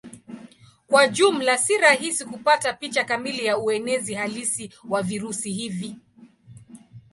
Kwa jumla si rahisi kupata picha kamili ya uenezi halisi wa virusi hivi.